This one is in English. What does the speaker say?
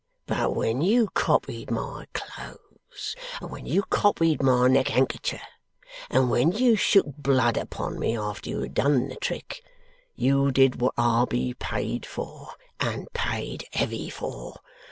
But when you copied my clothes, and when you copied my neckhankercher, and when you shook blood upon me after you had done the trick, you did wot I'll be paid for and paid heavy for.